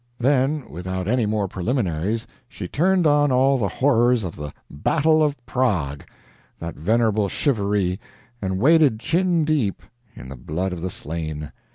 Then, without any more preliminaries, she turned on all the horrors of the "Battle of Prague," that venerable shivaree, and waded chin deep in the blood of the slain.